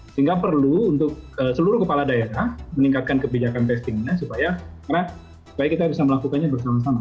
sehingga perlu untuk seluruh kepala daerah meningkatkan kebijakan testingnya supaya kita bisa melakukannya bersama sama